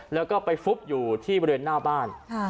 แล้วก็ไปฟุบอยู่ที่บริเวณหน้าบ้าน